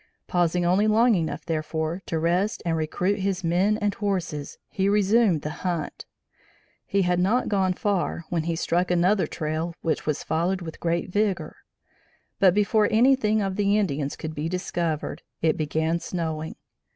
Pausing only long enough, therefore, to rest and recruit his men and horses, he resumed the hunt. He had not gone far, when he struck another trail which was followed with great vigor; but before anything of the Indians could be discovered, it began snowing.